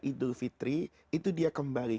idul fitri itu dia kembali